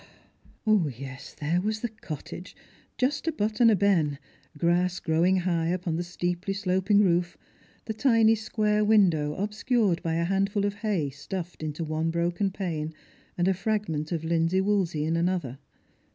Yes, there was the cottage, "just a but and a ben;" grass growing high upon, the steeply sloping roof, the tiny squara window obscured by a handful of hay stuffed into one broken pane and a fragment of linsey woolsey in another.